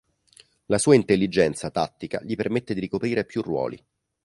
La sua intelligenza tattica gli permette di ricoprire più ruoli.